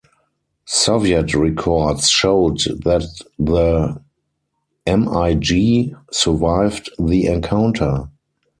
Soviet records showed that the MiG survived the encounter.